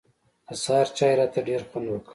د سهار چای راته ډېر خوند وکړ.